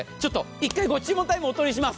１回ご注文タイムをお届けします。